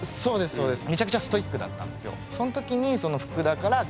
そうですね。